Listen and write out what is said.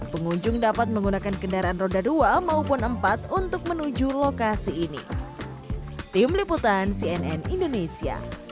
pengunjung dapat menggunakan kendaraan roda dua maupun empat untuk menuju lokasi ini